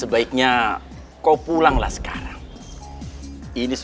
eh sepertinya dikenal kayak gini semua omong nih